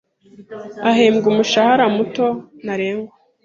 ahembwa umushahara muto ntarengwa